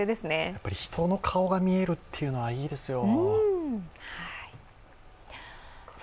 やっぱり人の顔が見えるというのはいいですよ。